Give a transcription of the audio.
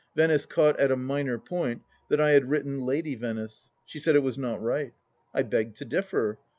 Venice caught at a minor point, that I had written "Lady Venice." She said it was not right. I begged to differ.